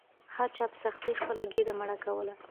هر چا په سختۍ خپله ګیډه مړه کوله.